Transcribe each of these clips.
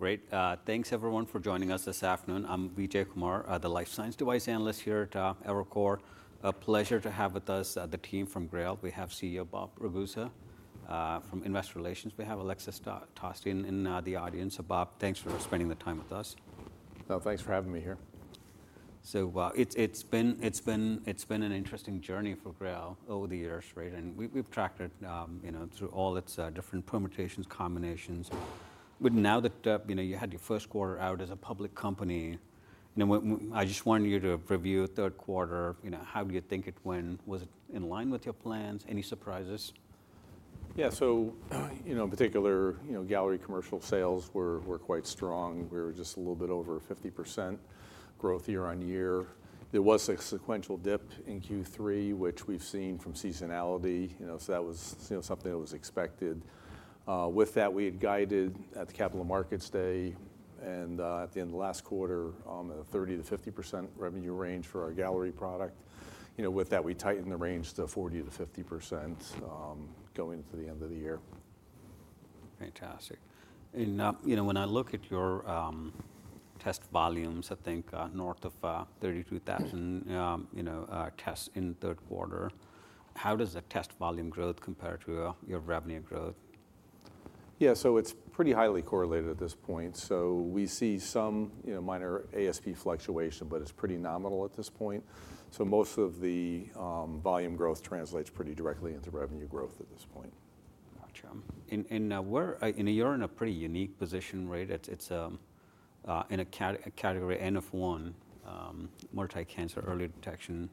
Great. Thanks, everyone, for joining us this afternoon. I'm Vijay Kumar, the Life Science Device Analyst here at Evercore ISI. A pleasure to have with us the team from GRAIL. We have CEO Bob Ragusa. From Investor Relations. We have Alexis Tosti in the audience. Bob, thanks for spending the time with us. Thanks for having me here. So it's been an interesting journey for GRAIL over the years, right? And we've tracked it through all its different permutations, combinations. But now that you had your first quarter out as a public company, I just wanted you to review third quarter. How do you think it went? Was it in line with your plans? Any surprises? Yeah, so in particular, Galleri commercial sales were quite strong. We were just a little bit over 50% growth year on year. There was a sequential dip in Q3, which we've seen from seasonality. So that was something that was expected. With that, we had guided at the Capital Markets Day and at the end of last quarter on the 30%-50% revenue range for our Galleri product. With that, we tightened the range to 40%-50% going into the end of the year. Fantastic, and when I look at your test volumes, I think north of 32,000 tests in third quarter, how does that test volume growth compare to your revenue growth? Yeah, so it's pretty highly correlated at this point. So we see some minor ASP fluctuation, but it's pretty nominal at this point. So most of the volume growth translates pretty directly into revenue growth at this point. Gotcha. And you're in a pretty unique position, right? It's in a category N of 1, multi-cancer early detection,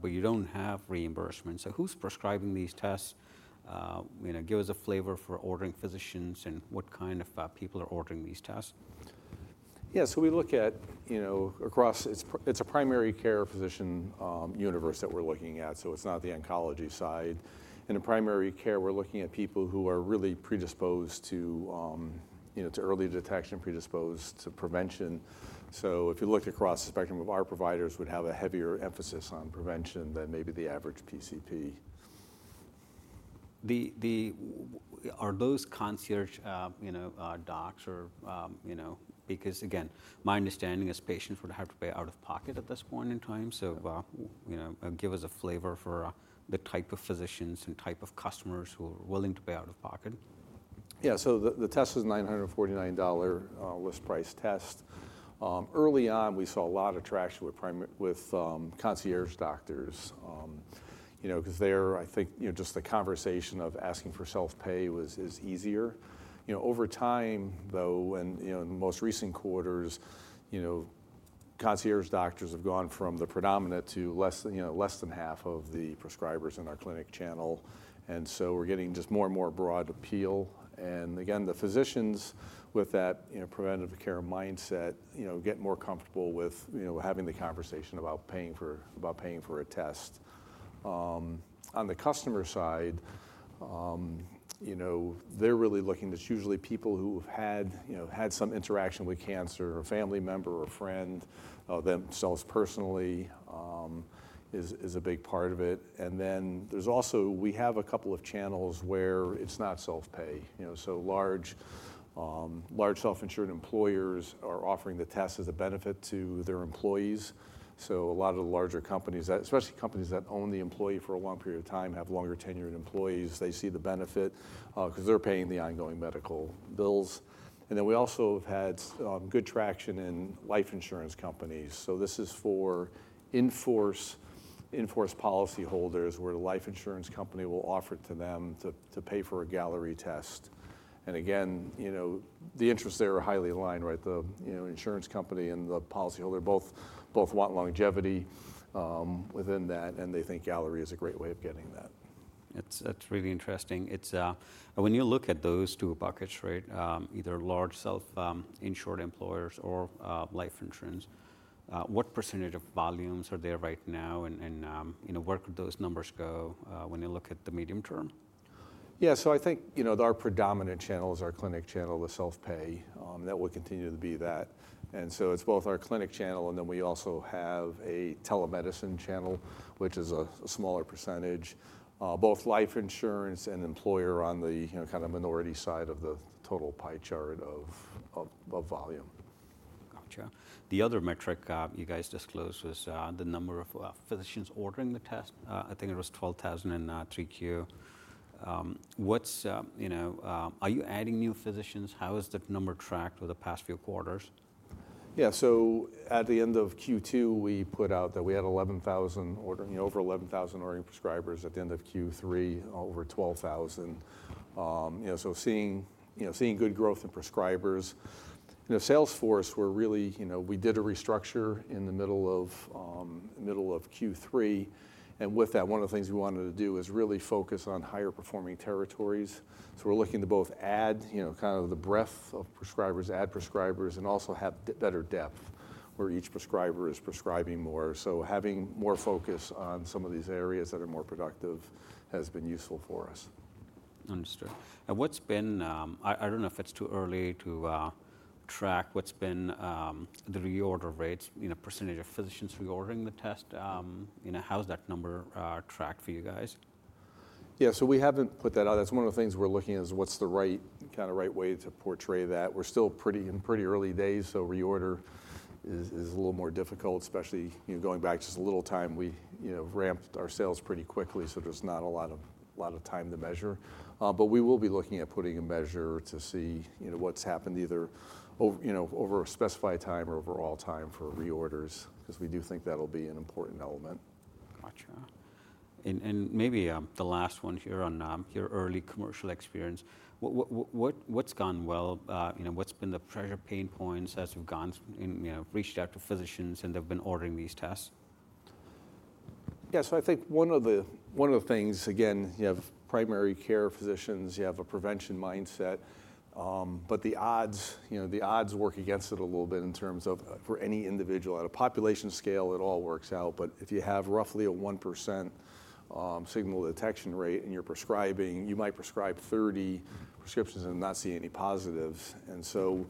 but you don't have reimbursement. So who's prescribing these tests? Give us a flavor for ordering physicians and what kind of people are ordering these tests. Yeah, so we look across. It's a primary care physician universe that we're looking at. So it's not the oncology side. In the primary care, we're looking at people who are really predisposed to early detection, predisposed to prevention. So if you looked across the spectrum, our providers would have a heavier emphasis on prevention than maybe the average PCP. Are those concierge docs, or because, again, my understanding is patients would have to pay out of pocket at this point in time. So give us a flavor for the type of physicians and type of customers who are willing to pay out of pocket. Yeah, so the test was a $949 list price test. Early on, we saw a lot of traction with concierge doctors because there, I think just the conversation of asking for self-pay was easier. Over time, though, in the most recent quarters, concierge doctors have gone from the predominant to less than half of the prescribers in our clinic channel. And so we're getting just more and more broad appeal. And again, the physicians with that preventative care mindset get more comfortable with having the conversation about paying for a test. On the customer side, they're really looking. It's usually people who've had some interaction with cancer, a family member or friend, themselves personally is a big part of it. And then there's also we have a couple of channels where it's not self-pay. So large self-insured employers are offering the test as a benefit to their employees. A lot of the larger companies, especially companies that own the employee for a long period of time, have longer tenured employees. They see the benefit because they're paying the ongoing medical bills. And then we also have had good traction in life insurance companies. This is for in-force policyholders where the life insurance company will offer it to them to pay for a Galleri test. And again, the interests there are highly aligned, right? The insurance company and the policyholder both want longevity within that, and they think Galleri is a great way of getting that. That's really interesting. When you look at those two buckets, right, either large self-insured employers or life insurance, what percentage of volumes are there right now? And where could those numbers go when you look at the medium term? Yeah, so I think our predominant channel is our clinic channel, the self-pay. That will continue to be that. And so it's both our clinic channel, and then we also have a telemedicine channel, which is a smaller percentage. Both life insurance and employer are on the kind of minority side of the total pie chart of volume. Gotcha. The other metric you guys disclosed was the number of physicians ordering the test. I think it was 12,000 in Q3. Are you adding new physicians? How is that number tracked over the past few quarters? Yeah, so at the end of Q2, we put out that we had over 11,000 ordering prescribers. At the end of Q3, over 12,000. So seeing good growth in prescribers. Sales force, we did a restructure in the middle of Q3. And with that, one of the things we wanted to do is really focus on higher performing territories. So we're looking to both add kind of the breadth of prescribers, add prescribers, and also have better depth where each prescriber is prescribing more. So having more focus on some of these areas that are more productive has been useful for us. Understood. I don't know if it's too early to track what's been the reorder rates, percentage of physicians reordering the test. How's that number tracked for you guys? Yeah, so we haven't put that out. That's one of the things we're looking at is what's the right kind of right way to portray that. We're still in pretty early days, so reorder is a little more difficult, especially going back just a little time. We ramped our sales pretty quickly, so there's not a lot of time to measure. But we will be looking at putting a measure to see what's happened either over a specified time or overall time for reorders because we do think that'll be an important element. Gotcha. And maybe the last one here on your early commercial experience. What's gone well? What's been the pressure pain points as you've reached out to physicians and they've been ordering these tests? Yeah, so I think one of the things, again, you have primary care physicians, you have a prevention mindset. But the odds work against it a little bit in terms of for any individual. On a population scale, it all works out. But if you have roughly a 1% signal detection rate and you're prescribing, you might prescribe 30 prescriptions and not see any positives. And so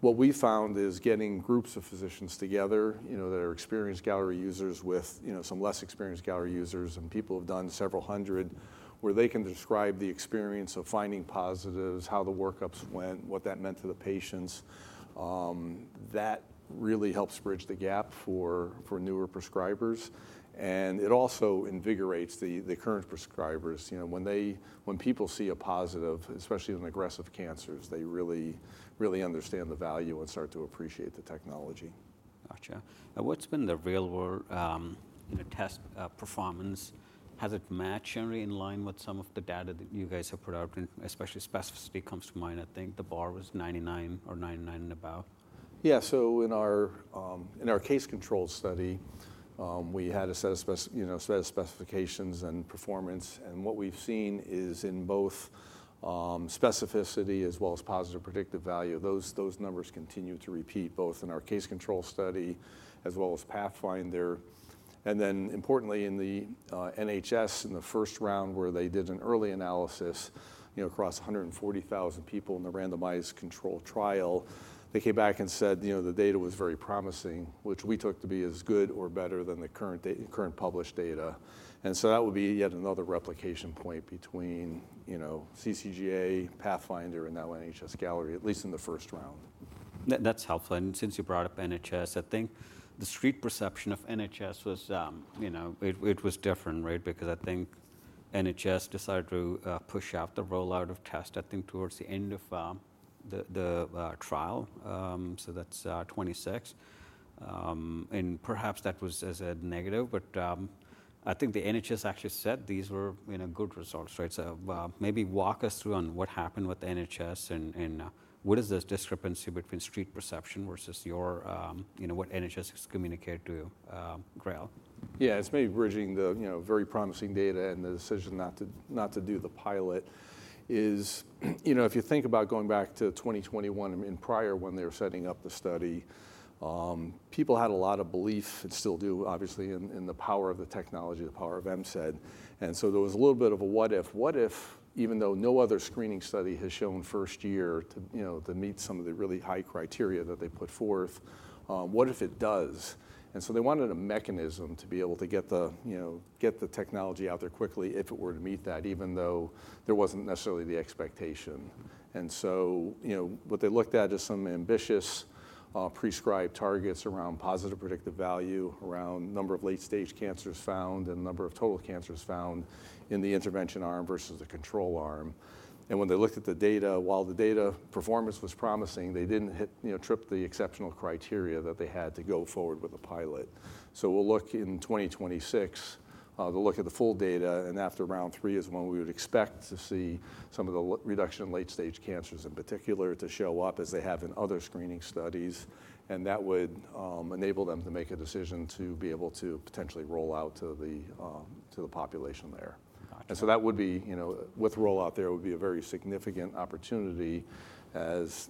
what we found is getting groups of physicians together that are experienced Galleri users with some less experienced Galleri users and people who have done several hundred where they can describe the experience of finding positives, how the workups went, what that meant to the patients. That really helps bridge the gap for newer prescribers. And it also invigorates the current prescribers. When people see a positive, especially in aggressive cancers, they really understand the value and start to appreciate the technology. Gotcha. And what's been the real-world test performance? Has it matched generally in line with some of the data that you guys have put out? And especially specificity comes to mind. I think the bar was 99 or 99 and above. Yeah, so in our case control study, we had a set of specifications and performance. And what we've seen is in both specificity as well as positive predictive value, those numbers continue to repeat both in our case control study as well as Pathfinder there. And then importantly, in the NHS, in the first round where they did an early analysis across 140,000 people in the randomized control trial, they came back and said the data was very promising, which we took to be as good or better than the current published data. And so that would be yet another replication point between CCGA, Pathfinder, and now NHS Galleri, at least in the first round. That's helpful. And since you brought up NHS, I think the Street perception of NHS was it was different, right? Because I think NHS decided to push out the rollout of tests, I think, towards the end of the trial. So that's 2026. And perhaps that was a negative, but I think the NHS actually said these were good results, right? So maybe walk us through on what happened with NHS and what is this discrepancy between Street perception versus what NHS has communicated to GRAIL? Yeah, it's maybe bridging the very promising data and the decision not to do the pilot is if you think about going back to 2021 and prior when they were setting up the study. People had a lot of belief and still do, obviously, in the power of the technology, the power of MCED. And so there was a little bit of a what if. What if, even though no other screening study has shown first year to meet some of the really high criteria that they put forth, what if it does? And so they wanted a mechanism to be able to get the technology out there quickly if it were to meet that, even though there wasn't necessarily the expectation. And so what they looked at is some ambitious prescribed targets around positive predictive value, around number of late-stage cancers found and number of total cancers found in the intervention arm versus the control arm. And when they looked at the data, while the data performance was promising, they didn't trip the exceptional criteria that they had to go forward with the pilot. So we'll look in 2026. They'll look at the full data. And after round three is when we would expect to see some of the reduction in late-stage cancers in particular to show up as they have in other screening studies. And that would enable them to make a decision to be able to potentially roll out to the population there. And so that would be with rollout there. It would be a very significant opportunity as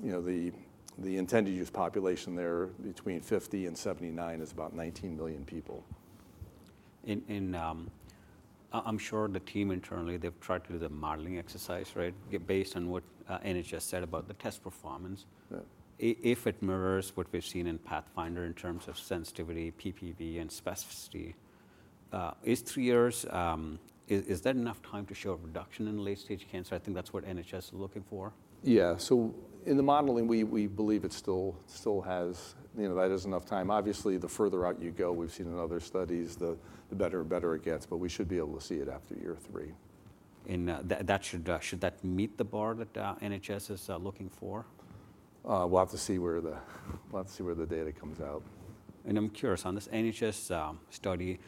the intended use population there between 50 and 79 is about 19 million people. I'm sure the team internally, they've tried to do the modeling exercise, right, based on what NHS said about the test performance. If it mirrors what we've seen in Pathfinder in terms of sensitivity, PPV, and specificity, is three years, is that enough time to show a reduction in late-stage cancer? I think that's what NHS is looking for. Yeah, so in the modeling, we believe it still has that is enough time. Obviously, the further out you go, we've seen in other studies, the better and better it gets, but we should be able to see it after year three. Should that meet the bar that NHS is looking for? We'll have to see where the data comes out. I'm curious on this NHS study.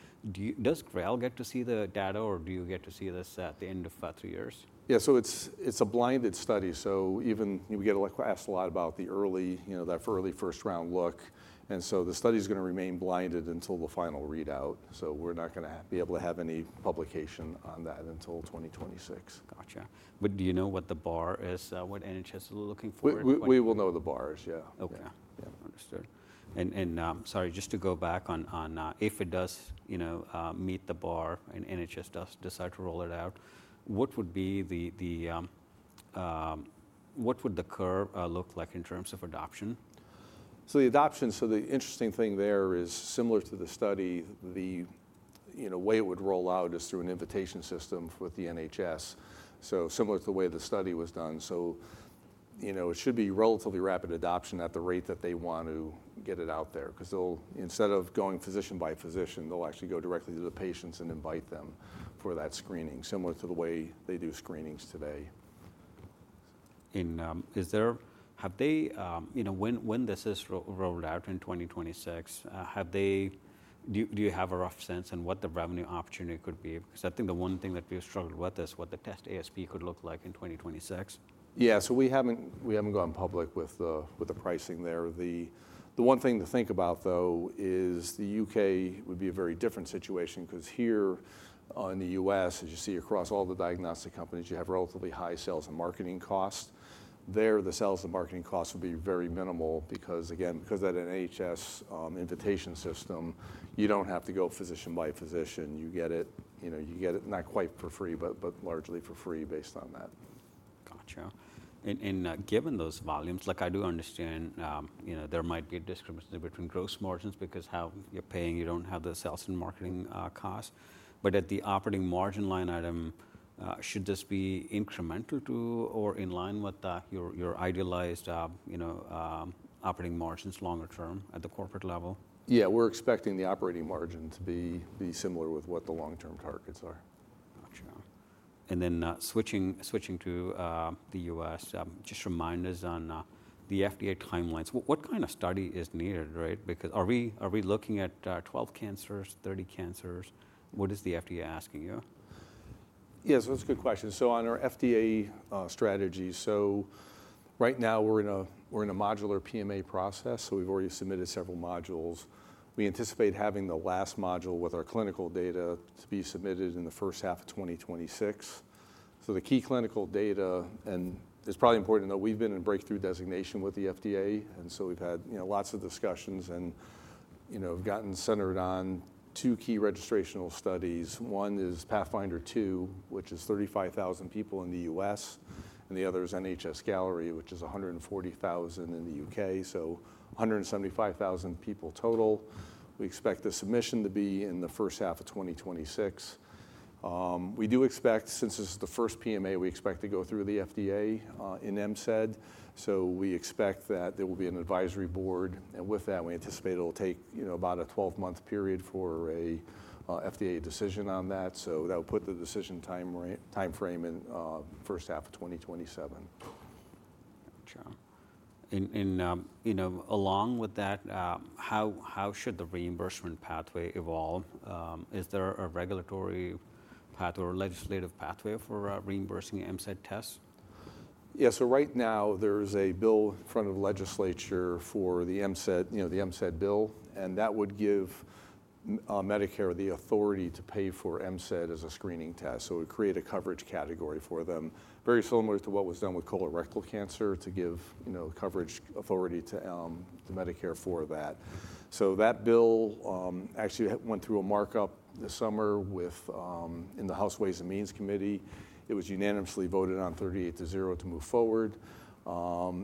Does GRAIL get to see the data or do you get to see this at the end of three years? Yeah, so it's a blinded study. So even we get asked a lot about the early, that early first round look. And so the study is going to remain blinded until the final readout. So we're not going to be able to have any publication on that until 2026. Gotcha. But do you know what the bar is? What NHS is looking for? We will know the bars, yeah. Okay. Understood. And sorry, just to go back on if it does meet the bar and NHS does decide to roll it out, what would the curve look like in terms of adoption? So the adoption, so the interesting thing there is similar to the study, the way it would roll out is through an invitation system with the NHS. So similar to the way the study was done. So it should be relatively rapid adoption at the rate that they want to get it out there because instead of going physician by physician, they'll actually go directly to the patients and invite them for that screening, similar to the way they do screenings today. Have they when this is rolled out in 2026, do you have a rough sense on what the revenue opportunity could be? Because I think the one thing that we've struggled with is what the test ASP could look like in 2026. Yeah, so we haven't gone public with the pricing there. The one thing to think about, though, is the U.K. would be a very different situation because here in the U.S., as you see across all the diagnostic companies, you have relatively high sales and marketing costs. There, the sales and marketing costs would be very minimal because, again, because of that NHS invitation system, you don't have to go physician by physician. You get it not quite for free, but largely for free based on that. Gotcha. And given those volumes, like I do understand there might be a discrepancy between gross margins because how you're paying, you don't have the sales and marketing costs. But at the operating margin line item, should this be incremental to or in line with your idealized operating margins longer term at the corporate level? Yeah, we're expecting the operating margin to be similar with what the long-term targets are. Gotcha, and then switching to the US, just remind us on the FDA timelines. What kind of study is needed, right? Because are we looking at 12 cancers, 30 cancers? What is the FDA asking you? Yeah, so that's a good question. So on our FDA strategy, so right now we're in a modular PMA process. So we've already submitted several modules. We anticipate having the last module with our clinical data to be submitted in the first half of 2026. So the key clinical data, and it's probably important to know, we've been in breakthrough designation with the FDA. And so we've had lots of discussions and gotten centered on two key registrational studies. One is Pathfinder 2, which is 35,000 people in the U.S. And the other is NHS Galleri, which is 140,000 in the U.K. So 175,000 people total. We expect the submission to be in the first half of 2026. We do expect, since this is the first PMA, we expect to go through the FDA in MCED. So we expect that there will be an advisory board. And with that, we anticipate it'll take about a 12-month period for an FDA decision on that. So that would put the decision timeframe in the first half of 2027. Gotcha. And along with that, how should the reimbursement pathway evolve? Is there a regulatory pathway or legislative pathway for reimbursing MCED tests? Yeah, so right now there's a bill in front of the legislature for the MCED bill, and that would give Medicare the authority to pay for MCED as a screening test. So it would create a coverage category for them, very similar to what was done with colorectal cancer to give coverage authority to Medicare for that. So that bill actually went through a markup this summer within the House Ways and Means Committee. It was unanimously voted on 38 to 0 to move forward.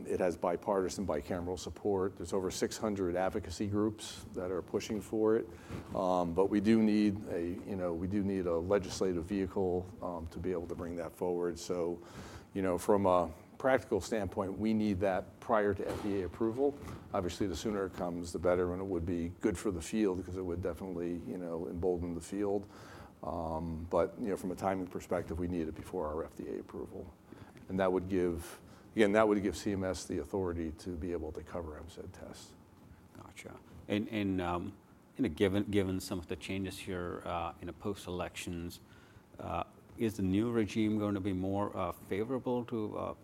It has bipartisan bicameral support. There's over 600 advocacy groups that are pushing for it. But we do need a legislative vehicle to be able to bring that forward. So from a practical standpoint, we need that prior to FDA approval. Obviously, the sooner it comes, the better. It would be good for the field because it would definitely embolden the field. From a timing perspective, we need it before our FDA approval. That would give, again, that would give CMS the authority to be able to cover MCED tests. Gotcha, and given some of the changes here in post-elections, is the new regime going to be more favorable to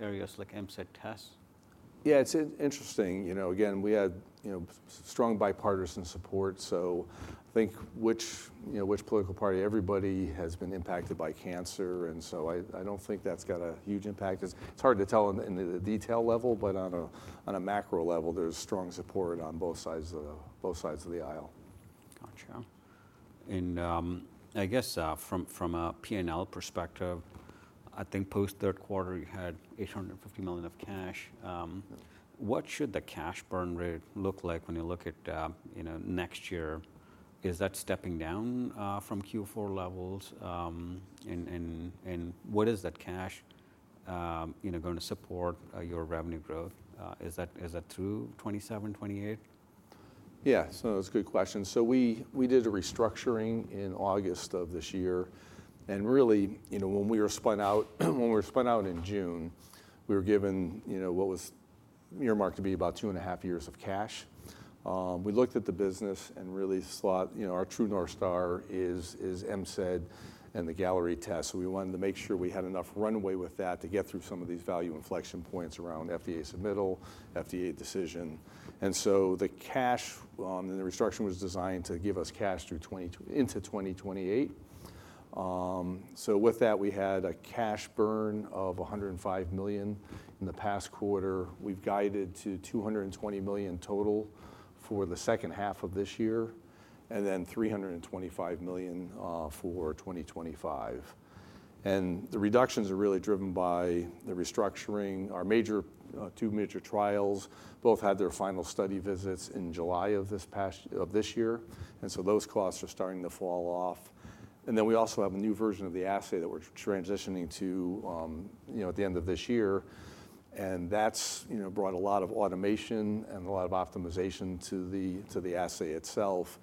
areas like MCED tests? Yeah, it's interesting. Again, we had strong bipartisan support. So I think which political party, everybody has been impacted by cancer. And so I don't think that's got a huge impact. It's hard to tell in the detail level, but on a macro level, there's strong support on both sides of the aisle. Gotcha. And I guess from a P&L perspective, I think post third quarter, you had $850 million of cash. What should the cash burn rate look like when you look at next year? Is that stepping down from Q4 levels? And what is that cash going to support your revenue growth? Is that through 2027, 2028? Yeah, so that's a good question. So we did a restructuring in August of this year. And really, when we were spun out in June, we were given what was earmarked to be about two and a half years of cash. We looked at the business and really thought our true North Star is MCED and the Galleri test. So we wanted to make sure we had enough runway with that to get through some of these value inflection points around FDA submittal, FDA decision. And so the cash, the restructuring was designed to give us cash into 2028. So with that, we had a cash burn of $105 million in the past quarter. We've guided to $220 million total for the second half of this year and then $325 million for 2025. And the reductions are really driven by the restructuring. Our two major trials both had their final study visits in July of this year. And so those costs are starting to fall off. And then we also have a new version of the assay that we're transitioning to at the end of this year. And that's brought a lot of automation and a lot of optimization to the assay itself.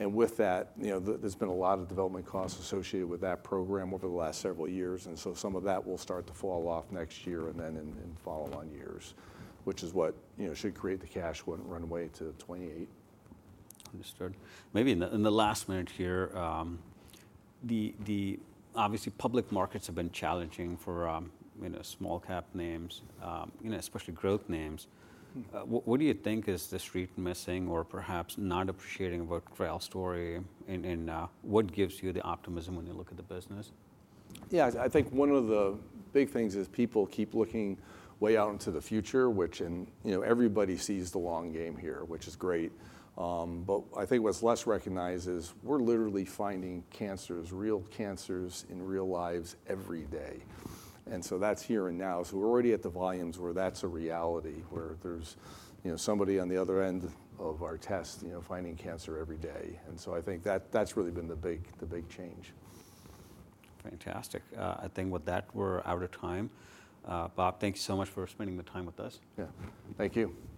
And with that, there's been a lot of development costs associated with that program over the last several years. And so some of that will start to fall off next year and then in follow-on years, which is what should create the cash runway to 2028. Understood. Maybe in the last minute here, obviously, public markets have been challenging for small-cap names, especially growth names. What do you think is the Street missing or perhaps not appreciating about GRAIL story? And what gives you the optimism when you look at the business? Yeah, I think one of the big things is people keep looking way out into the future, which everybody sees the long game here, which is great. But I think what's less recognized is we're literally finding cancers, real cancers in real lives every day. And so that's here and now. So we're already at the volumes where that's a reality, where there's somebody on the other end of our test finding cancer every day. And so I think that's really been the big change. Fantastic. I think with that, we're out of time. Bob, thank you so much for spending the time with us. Yeah, thank you.